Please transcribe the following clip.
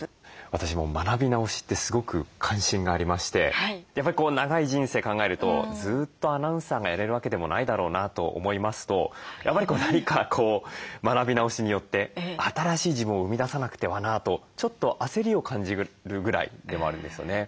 私も学び直しってすごく関心がありましてやっぱり長い人生考えるとずっとアナウンサーがやれるわけでもないだろうなと思いますとやっぱり何かこう学び直しによって新しい自分を生み出さなくてはなとちょっと焦りを感じるぐらいでもあるんですよね。